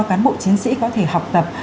cán bộ chiến sĩ có thể học tập